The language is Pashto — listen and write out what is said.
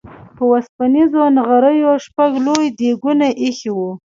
په اوسپنيزو نغريو شپږ لوی ديګونه اېښي وو.